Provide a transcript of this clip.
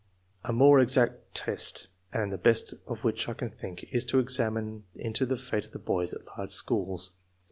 A more exact test, and the best of which I can think, is to examine into the fate of the boys at large schools.